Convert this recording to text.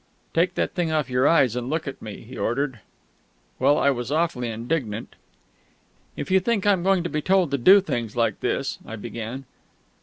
"Take that thing off your eyes, and look at me," he ordered. Well, I was awfully indignant. "If you think I'm going to be told to do things like this " I began.